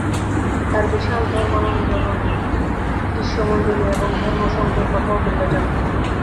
তাঁর বিশাল ধর্মান্দোলন, শিষ্যমণ্ডলী এবং ধর্মসঙ্ঘের কথাও তোমরা জান।